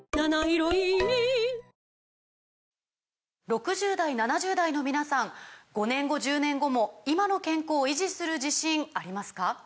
６０代７０代の皆さん５年後１０年後も今の健康維持する自信ありますか？